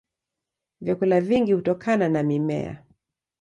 Vyakula vingi hutokana na mimea.